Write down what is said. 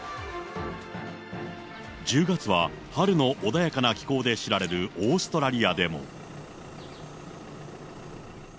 １０月は春の穏やかな気候で知られるオーストラリアでも。